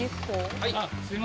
はい。